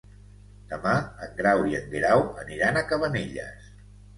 Demà en Grau i en Guerau aniran a Cabanelles.